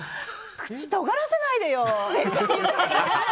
口とがらせないでよ。